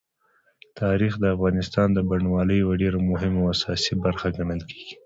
تاریخ د افغانستان د بڼوالۍ یوه ډېره مهمه او اساسي برخه ګڼل کېږي.